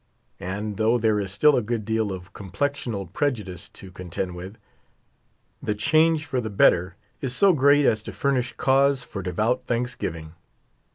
And, though there is still a good deal of complexional prejudice to contend with, the change for the better is so great as to furnish cause for devout thanksgiving.